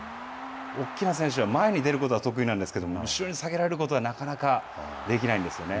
大きな選手は前に出ることは得意なんですけれども、後ろに下げられることは、なかなかできないんですよね。